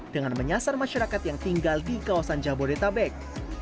dengan menyasar masyarakat yang tinggal di kawasan jabodetabek